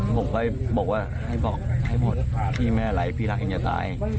ผมก็บอกว่าให้บอกให้หมดพี่ไม่อะไรพี่รักเองจะตาย